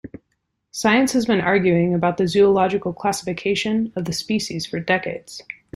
Science has been arguing about the zoological classification of the species for decades.